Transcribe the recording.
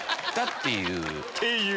「っていう」。